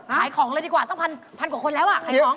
ขายของเลยดีกว่าต้องพันกว่าคนแล้ว